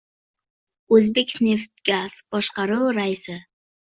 O‘zbekneftgaz: Boshqaruv raisi I